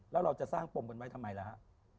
แล้วเราจะสร้างปมกันไว้ทำไมล่ะฮะ